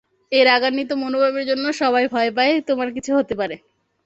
এই রাগান্বিত মনোভাবের জন্য, সবাই ভয় পায় তোমার কিছু হতে পারে।